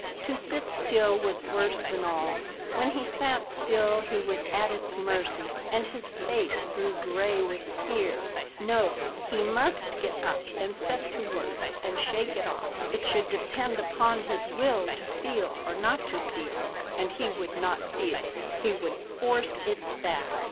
To sit still was worse than all. When he sat still he was at its mercy, and his face grew gray with fear. No, he must get up and set to work, and shake it off. It should depend upon his will to feel or not to feel; and he would not feel, he would force it back.